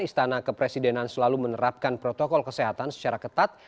istana kepresidenan selalu menerapkan protokol kesehatan secara ketat